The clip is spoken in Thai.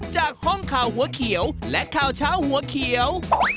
จากห้องข่าวหัวเขียวและข่าวเช้าหัวเขียว